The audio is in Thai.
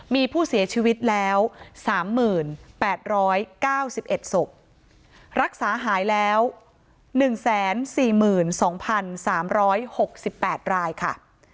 มีผู้เสียชีวิตแล้ว๓๘๙๑ศพรักษาหายแล้ว๑๔๒๓๖๘รายค่ะ